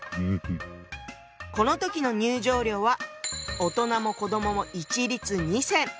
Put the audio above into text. この時の入場料は大人も子どもも一律２銭。